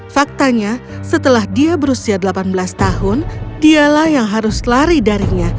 faktanya setelah dia berusia delapan belas tahun dia yang harus lari dari dia